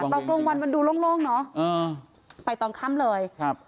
ตอนกลางวันมันดูโล่งเนอะไปตอนค่ำเลยครับ